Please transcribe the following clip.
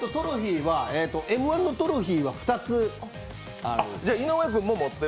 「Ｍ−１」のトロフィーは２つある。